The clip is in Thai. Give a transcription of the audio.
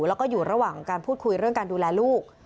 แล้วก็อยู่ระหว่างการพูดคุยเรื่องการดูแลลูก